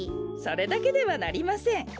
それだけではなりません。